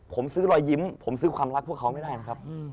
ผมซื้อรอยยิ้มผมซื้อความรักพวกเขาไม่ได้นะครับ